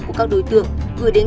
của các đối tượng gửi đến